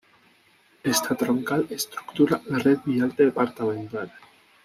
Esta Troncal estructura la red vial departamental.